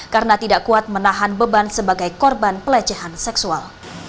karena tidak kuat menahan beban sebagai korban pelecehan seksual